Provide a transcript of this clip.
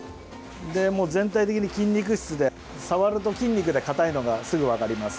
全体的に筋肉質で、触ると筋肉でかたいのがすぐ分かります。